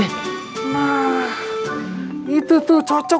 nah itu tuh cocok